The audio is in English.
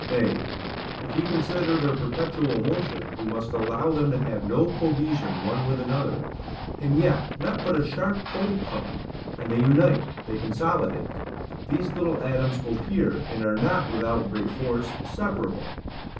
Nay, if we consider their perpetual motion, we must allow them to have no cohesion one with another; and yet let but a sharp cold come, and they unite, they consolidate; these little atoms cohere, and are not, without great force, separable.